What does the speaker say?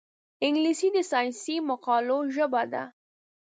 انګلیسي د ساینسي مقالو ژبه ده